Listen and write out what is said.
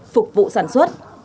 phục vụ sản xuất